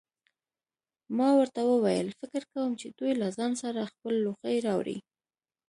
ما ورته وویل: فکر کوم چې دوی له ځان سره خپل لوښي راوړي.